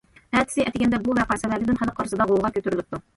ئەتىسى ئەتىگەندە بۇ ۋەقە سەۋەبىدىن خەلق ئارىسىدا غوۋغا كۆتۈرۈلۈپتۇ.